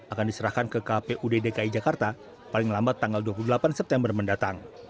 akan diserahkan ke kpud dki jakarta paling lambat tanggal dua puluh delapan september mendatang